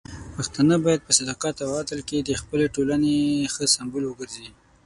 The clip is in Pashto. پښتانه بايد په صداقت او عدل کې د خپلې ټولنې ښه سمبول وګرځي.